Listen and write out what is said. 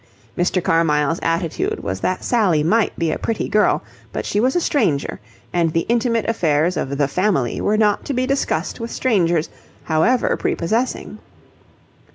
Mr. Carmyle's attitude was that Sally might be a pretty girl, but she was a stranger, and the intimate affairs of the Family were not to be discussed with strangers, however prepossessing.